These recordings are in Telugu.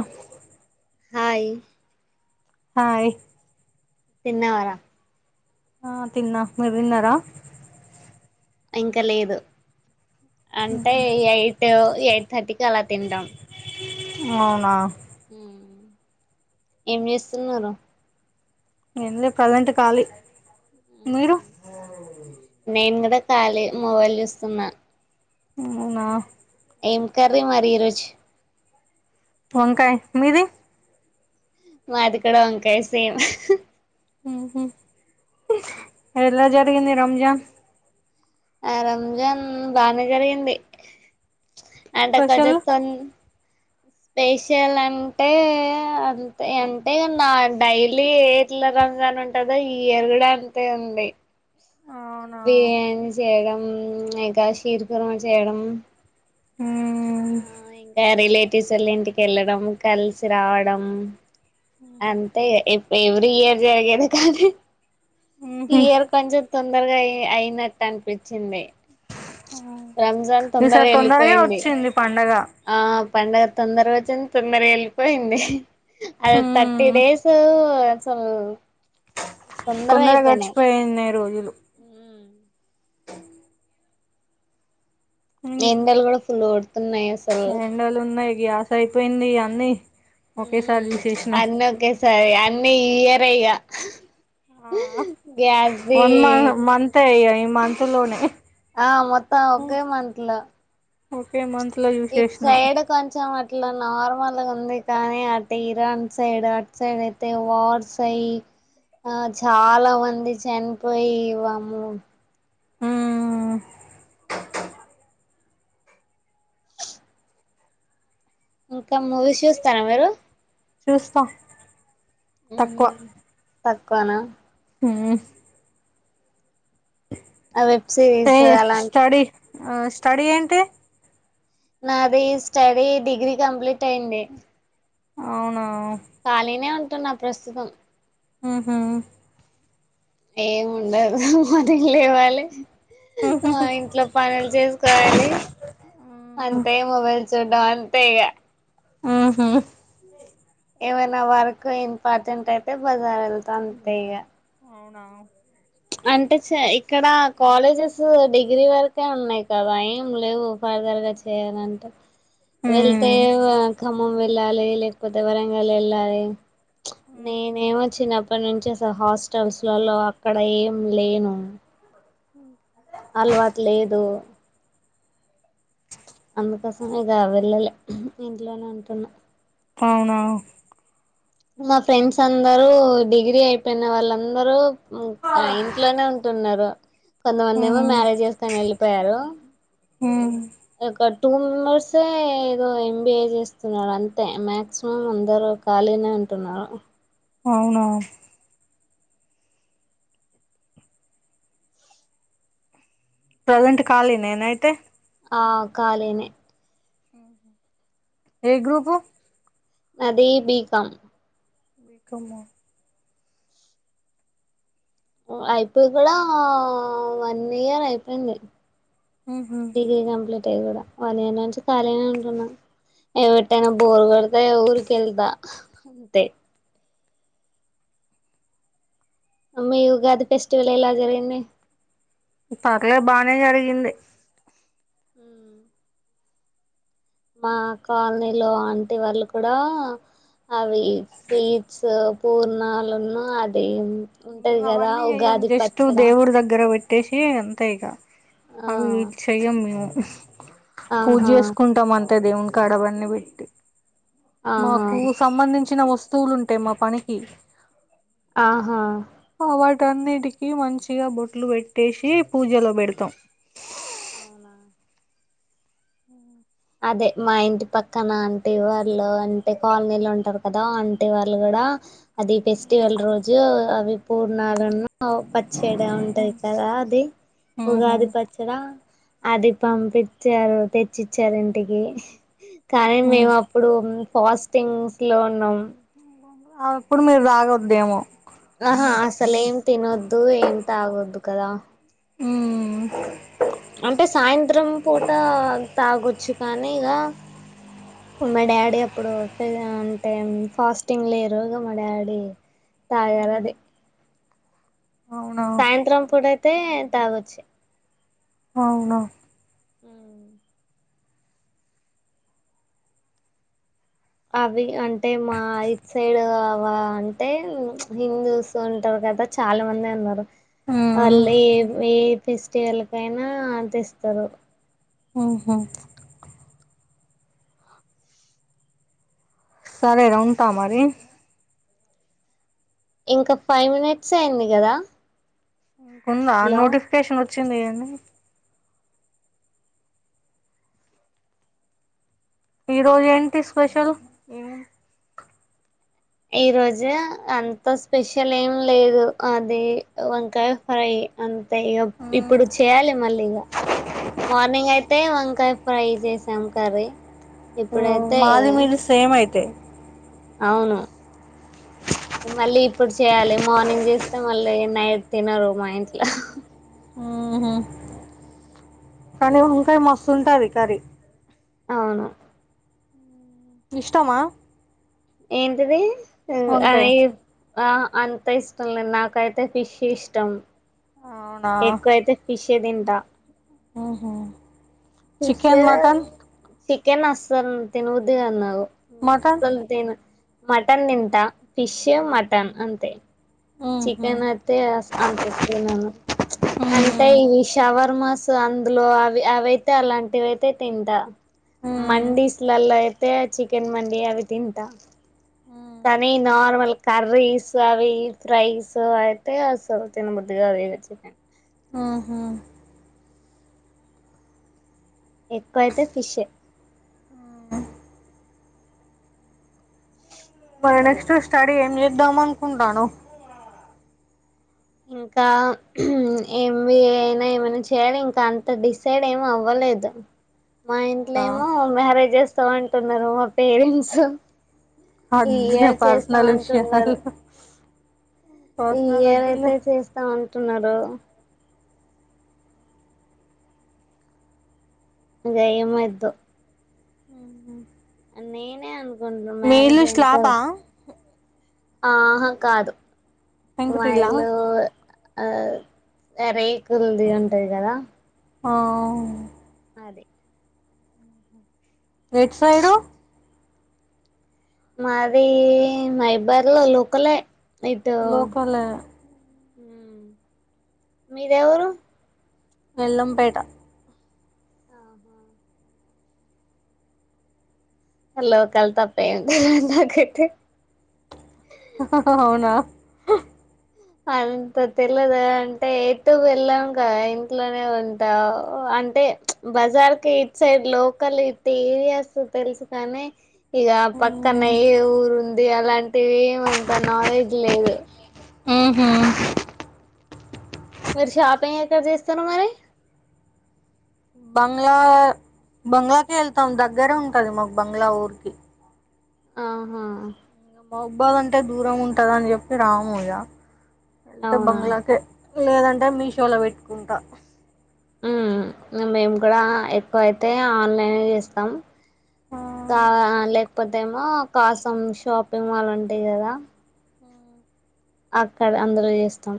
ఆ హాయ్ హాయ్ తిన్నావా రా ఆ తిన్నా మీరు తిన్నారా ఇంకా లేదు అంటే ఎయిట్ ఎయిట్ థర్టీకి అలా తింటాం అవునా హు ఏం చేస్తున్నారు ఏం లే ప్రజెంట్ కాళీ మీరు నేను కూడా ఖాళీ మొబైల్ చూస్తున్న అవునా ఏం కర్రీ మరి ఈరోజు వంకాయ మీది మాది కూడా వంకాయ సేమ్ ఊహు ఎలా జరిగంది రంజాన్ ఆ రంజాన్ బానే జరిగింది అంటే స్పెషల్ కొంచెం తో స్పెషల్ అంటే అంతే అంటే నా డైలీ ఎట్ల రంజాన్ ఉంటుందో ఇయర్ కూడా అంతే ఉంది అవునా బిర్యానీ చేయడం ఇంకా షీర్ కురమ చేయడం ఉమ్ ఆ ఇంకా రిలేటివ్స్ వాళ్ళ ఇంటికి వెళ్ళడం కలిసి రావడం అంతే ఎ ఎవర్రీ ఇయర్ జరిగేది కాని ఉహు ఈ ఇయర్ కొంచెం తొందరగా అయి అయినట్టు అనిపించింది రంజాన్ ఈసారి తొందరగా వెళ్ళిపోయింది వచ్చింది పండుగ ఆ పండుగ తొందర వచ్చింది తొందర వెళ్ళిపోయింది అది ఉమ్ థర్టీ డేస్ అసలు తొందరగా గడిచిపోయినాయి రోజులు లు ఉమ్ ఎందలు కూడా ఫుల్ ఓత న్నాయి అసలు ఎండలు ఉన్నాయి గ్యాస్ అయిపోయింది అన్నీ ఒకేసారి తీసేసినాం అన్న ఒకకే సర అన్న ఈ అయగా ఆ వన్ మంత మస లోనే ఆ మొత్తం ఒకే మంత్ లో ఓకే మంత ఇ సైడ్ కొంచం మ ఇట్లా నార్మల్ ఉంది కానీ అటు ఇరాన్ సైడ్ అటు సైడ్ అయితే వార్స్ అయి ఆ చాలా మంది చనిపోయిము మ్మ్ ఇంకా మూవీస్ చూస్తారా మీరు చూస్తా తకువ కాణ హ ఆ వెబ్ ఏ సిరీస్ అలాంటి స్టడీ ఆ స్టడీ ఏంటి నాది స్టడీ డిగ్రీ కంప్లీట్ అయి్యంది అవునా ఖళిన ఉంట అంట నా ప్రస్తుతం ఆహా ఏంండదు మదం లేవాలి ఆ ఊహుహు ఇంట్లో పనులు చేసుకోవాలి అంతే మొబైల్ చూంట అంతేగా ఆహా ఏమైనా వర్క్ ఇంపార్టెంట్ అయితే బజార్ వెళ్తంటే ఇగ అవునా అంటే ఇక్కడ కాలేజెస్ డిగ్రీ వరకే ఉన్నాయి్ కదా ఏం లేవు ఫర్దర్గా చేయాలంటే వెళ్తే మ్మ్ మ్మం ఎళ్ళాలి లేకపోతే వరంగాల ఎల్ాల నేనేమోచ్చినప్పటి నుంచిస హాస్టల్స్లలో అక్కడ ఏ లేను ఇకా అలవాటు లేదు అందుకోసం ఇది వెల్లాలి ఇంట్లోనే ఉంటున్నా పవునా మా ఫ్రెండ్స్ అందరూ డిగ్రీ అయిపోయిన వాళ్ళందరూ ఆ ఇంట్లోనే ఉంటున్నారు కొంతమంది ఏమో మ్మ్ మ్యారేజ్ చేస్కొని వెళ్ళిపోయారు హ ఒక టూ మెంబర్సే ఏదో ఎంబిఏ చేస్తున్నారు అంతే మ్యాక్సిమం అందరు ఖాళీనే ఉంటున్నారు అవునా ప్రెజెంట్ ఖాళి నేనైతే ఆ కాలినే ఏ గ్రూపు నాదీ బీగం బికమ్మా అయిపోయి కూడా వన్ ఇయర్ అయిపోయింది ఊహూ డిగ్రీ కంప్లీట్ అయికూడా వన్ ఇయర్ నుంచి ఖాళీనే ఉంటున్నా ఎవిటైనా బోరు కొడతే ఊరికి వెళ్తా అంతే అమ్మ ఇ ఉగాది ఫెస్టివల్ ఎలా జరిగింది పర్లే బానే జరిగింది మా కాలనీలో ఆంటి వాళ్ళు కూడా అవి స్వీట్స్ పూర్ణాలను అడి మేము అవన్నీ చెయ్యం జెస్ట్ దేవుడి దగ్గర పెట్ పెట్టేసి అంతే ఇక ఆ అవి ఇ చెయ్యం మేము పూజ ఆహా చేసుకుంటాం అంత టే దేవున్ కాడబన్ని పెట్టి ఆహా మాకు సంబంధించిన వస్తు వస్తువులు ఉంటాయి మా పనికి ఆహా వాటన్నిటికి మంచిగా బొట్లు పెట్టేసి పూజలో పెడతాం అవునా అదే మా ఇంటి పక్కన ఆంటీ వాళ్ళు అంటే కాలనీలు ఉంటారు కదా ఆంటీ వాళ్ళు కూడా అది ఫెస్టివల్ రోజు అవి పూర్ణాలను పచ్చడి దా ఉంటాది కదా అది ఉహు ఉగాది పచ్చడా అది పంపిచ్చారు తెచ్చిచ్ వచ్చారు ఇంటికి కానీ మేము అప్పుడు ఫాస్టింగ్స్లో ఉన్నాం మ్ అ అప్పుడు మీరు రాగోఉద్దేమో ఆహా అసలేం తినొద్దు ఏం తాగోద్దు కదా ఉ అంటే సాయంత్రం పూట తాగొచ్చు కానీ ఇక మా డాడీ అప్పుడు అంటే ఫాస్టింగ్ లేరు ఇక మా డాడీ తాగారు అది అవునా సాయంత్రం పూటయితే తాగొచ్చు అవునా అ అవి అంటే మా ఇయిట్ సైడ్ అంటే హిందూస్ ఉంటారు కదా చాలా మంది అన్నారు వాళ్ళు ఏ ఏ ఫెస్టివల్ కైనా అ తెస్తారు ఓహో సరే ర ఉంటా మరి ఇంకా ఫైవ్ మినిట్స్ అయింది కదా ఉంద హలో నోటిఫికేషన్ వచ్చ వచ్చింది అండి ఈ రోజు ఏంటి స్పెషల్ ఈ రోజు అంత స్పెషల్ ఏం లేదు అది వంకాయ ఫ్రై అంతే ఇక ఇప్పుడు చేయాలి మళ్ళీ ఇక మార్నింగ్ అయితే వంకాయ ఫ్రై చేసాం కర్రీ ఇప్పుడైతే మాది మీలు సేమ్ అయితే అవును మళ్ళీ ఇప్పుడు చేయాలి మార్నింగ్ చేస్తే మళ్ళీ నైట్ తినరు మా ఇంట్లో ఊహు కానీ వంకాయ మస్తు ఉంటాంది కార అవును ఇష్టమా ఏంటిది అద వంకాయ ఆ అంత ఇష్టం లేదు నాకైతే ఫిష్ ఇష్టం అవునా ఎకువ అయితే ఫిషే దని ద ఆహా చికెన్ మటన్ చికెన్ అస్తార్ తిినది నావు మటన్ అస్లుదేను మటన్ నింత ఫిష్ మటన్ అంతే ఊహు చికెన్ అయితే అంతతి నను అంటే ఊమ్ ఇవిషవ చర్మాసు అందులో అవి అవయితే అలాంటివి అయితే తింటా ఊమ్ మండీస్లలా ఇ అ చికెన్ మడి అవి తింటా ఊమ్ కానీ నార్మల్ కర్రీస్ అవి ఫ్రైస్ అయితే అసలు తిన బద్దిగా అవి చికె ఆహా ఎక్కువైతే ఫిష్ మరి నెక్స్ట్ స్టడీ ఏం చేద్దాం అనుకుంటాను ఇంకా ఎంబిఏ అయినా ఏమైనా చేయాలి ఇంకా అంత డిసైడ్ ఏమి అవ్వలేదు మా ఇంట్లో అవునా ఏమో మ్యారేజెస్ స్త అంటున్నారు మా పేరెంట్స్ ఈ అది ఇయర్ చేస్తాం పర్సనల్ విషయాల అంటున్నారు ఈ ఎవరైతే చేస్తాం అంటున్నారో ఇదేమోద్దు నేనే అను మీ ఇల్లు శ్లాపా ఆహా కాదు మా పెంకుటిల్లా ఇల్లు ఆ ఎరే కుల్ది ఉంటది కదా ఆవు అదే ఎటు సైడు మాది మైబర్ లో లోకలే లోకలే మీదే ఊరు వెళ్ళంపేట ఆహా లోకల్ తప్ప ఏం తేలీదు నాకైతే అవునా అంత తెలదే అంటే ఎటు వెళ్ళం గా ఇంట్లోనే ఉంటావ్ అంటే ప్చ్ బజార్కి ఇటు సైడ్ లోకల్ ఇటు ఏరియాస్ తెలుసు కానీ ఇగ పక్కనయే ఊరు ఉంది అలాంటివి ఏమీ అంత నాలెడ్జ్ లేదు. ఊహూ మీరు షాపింగ్ ఎక్కడ చేస్తారు మరి బంగ్లా బంగ్లాకి వెళ్తాం దగ్గరే ఉంటుంది మాకు బంగ్లా ఊరికి ఆహా మహబుబాద్ అంటే దూరం ఉంటదని చెప్పి రాము ఇగ వెళ్తే అవునా బంగ్లాకే లేదంటే మీషోలో పెట్టుకుంటా హ్మ్ మేము కూడా ఎక్కువ అయితే ఆన్లైనే చేస్తాం తా లే పోతే ఏమో కాసం షాపింగ్ మాల్ ఉంటయి కదా అక్కడ అందరూ చేస్తాం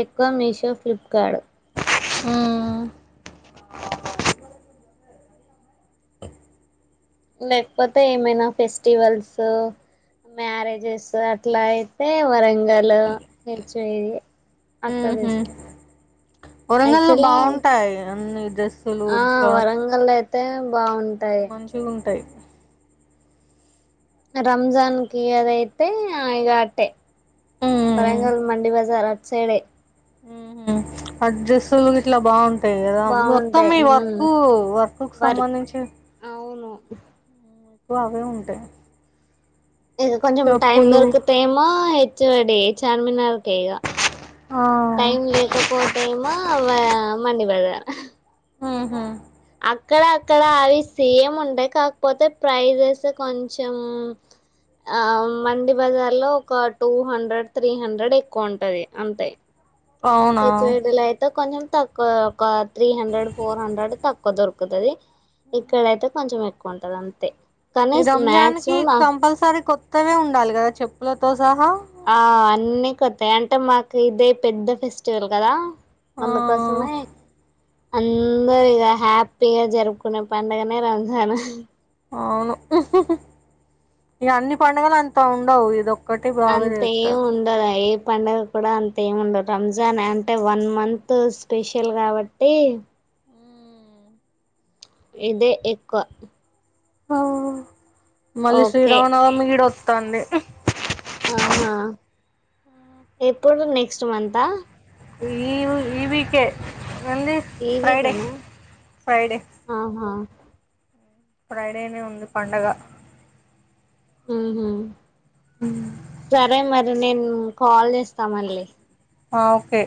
ఎక్కువ మీషో ఫ్లిప్ కార్డు హ్మ్ లేకపోతే ఏమైనా ఫెస్టివల్సు మ్యారేజెస్ అట్లా అయితే వరంగ గల్లో తేయే వరంగల్లో యాక్చువల్లీ బావుంటాయి అన్ని డ్రెస్సులు ష తే బావున్ మంచిగుంటై రంజాన్ కి అదయితే ఇగ అట్టే ఊహూ వరంగల్ మండి బజార అ చేడే అడ్రస్లు ఇట్లా బాగుంట ద మొత్తం బాగుంటాయి ఈ ఉమ్ వర్క్ వర్క్ కు వర్ సంబంధించి అవును ఇకు అవే ఉంటాయి ఇక కొంచం టైమ్ చెప్పులు దొరకు తేమా చ్చవాడే చార్మినార్ కేేగా ఆ టైం లేకపోతేఏమో అవ్వ మండిమడు హుహు అక్కడ అక్కడ అవి సేమ్ ఉంటాయి కాకపోతే ప్రైజెస్ కొంచెం ఆ మండి బజార్ లో ఒక టూ హండ్రెడ్ త్రీ హండ్రెడ్ ఎక్కువ ఉంటాది అంతే అవునా ఏచ్ వెడల్ అయితే కొంచెం తక్కు ఒక త్రీ హండ్రెడ్ ఫోర్ హండ్రడ్ తక్కువ దొరకు ఎక్కుతుది ఇక్కడైతే కొంచెం ఎక్కువ ఉంటది అంతే కానీ ఈ రంజాన్ కి మాక్సిమం కంపల్సరి కొ మొత్తమే ఉండాలి కదా చెప్పులతో సహా ఆ అన్నీ కొత్తాయి అంటే మాకు ఇదే పెద్ద ఫెస్టివల్ కదా ఆ అందుకోసమే అందరు ఇలా హ్యపీ పేరు జరుపుకునే పండగనే రంజాను అవును ఇ అన్ని పండుగలు అంతా ఉండవు ఇదొక్క అంతే ఏం ఉండదు ఐ పండుగ కూడా అంత ఏం ఉండదు రంజాన్ అంటే వన్ మంత్ స్పెషల్ కాబట్టి ఇదే ఎక్కువ ఓ మళ్ళీ ఓకే శ్రీరామానవమి ఇడ తాంది ఆహా ఎప్పుడు నెక్స్ట్ మంతా ఈ ఈ వికె ఉంది ఈ ఫ్రైడే వీకేనా ఫ్రైడే ఆహా ఫ్రైడేనే ఉంది పండగ ఊహు సరే మరి నేను ఉ కాల్ చేస్త అ ఓకే